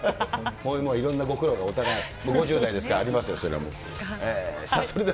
いろんなご苦労がお互い、もう５０代ですから、ありますよ、それは。